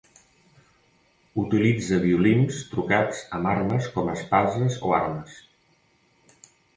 Utilitza violins trucats amb armes com espases o armes.